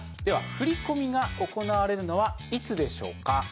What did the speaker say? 振込が行われるのはいつでしょうか？